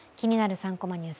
３コマニュース」